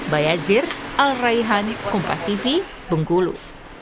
bayazir al raihan kompas tv bengkulu